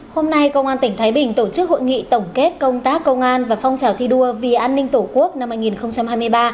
hôm nay công an tỉnh thái bình tổ chức hội nghị tổng kết công tác công an và phong trào thi đua vì an ninh tổ quốc năm hai nghìn hai mươi ba